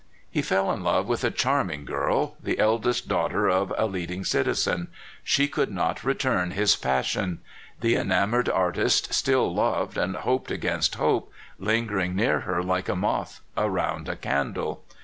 He fell in love with a charming girl, the eldest daughter of a leading citizen. She could not return his passion. The enamored artist still loved, and hoped against hope, lingering near her like a moth around a candle.